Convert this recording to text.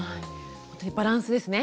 ほんとにバランスですね。